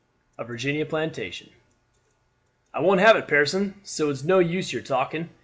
A VIRGINIAN PLANTATION. "I won't have it, Pearson; so it's no use your talking.